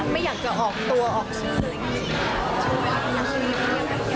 ไม่อยากจะออกตัวออกชื่อ